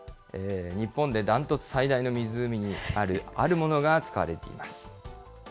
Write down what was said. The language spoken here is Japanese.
日本でダントツ最大の湖にあるあるものが使われています。